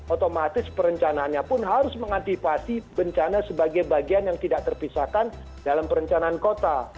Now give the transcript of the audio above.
otomatis perencanaannya pun harus mengantisipasi bencana sebagai bagian yang tidak terpisahkan dalam perencanaan kota